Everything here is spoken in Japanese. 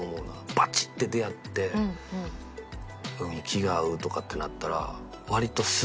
バチッて出会って気が合うとかってなったら割とすぐ。